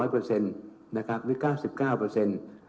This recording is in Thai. หรือ๙๙